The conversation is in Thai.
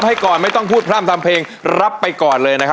อีกคนละ๕๐๐๐บาท